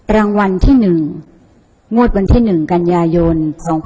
รางวัลที่๑งวดวันที่๑กันยายน๒๕๖๒